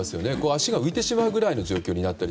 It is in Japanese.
足が浮いてしまうぐらいの状況になる。